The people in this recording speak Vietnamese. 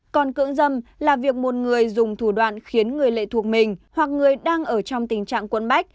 còn cưỡng dâm là việc một người dùng thủ đoạn khiến người lệ thuộc mình hoặc người đang ở trong tình trạng quấn bách